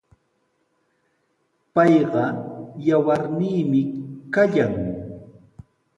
Payqa yawarniimi kallan.